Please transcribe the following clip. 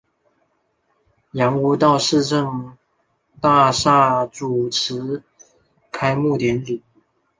杨屋道市政大厦主持开幕典礼。